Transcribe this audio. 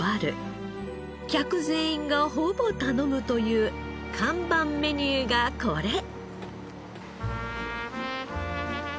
客全員がほぼ頼むという看板メニューがこれ。